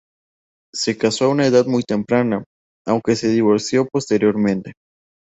Se casó a una edad muy temprana, aunque se divorció posteriormente.